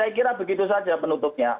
saya kira begitu saja penutupnya